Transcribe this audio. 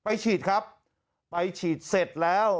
ฉีดครับไปฉีดเสร็จแล้ว